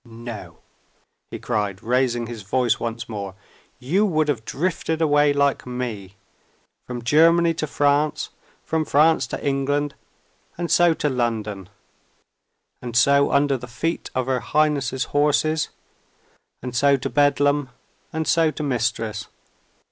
No!" he cried, raising his voice once more, "you would have drifted away like me. From Germany to France; from France to England and so to London, and so under the feet of her Highness's horses, and so to Bedlam, and so to Mistress.